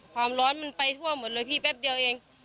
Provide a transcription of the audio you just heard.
ความร้อนมันไปทั่วหมดเลยพี่แป๊บเดียวเอง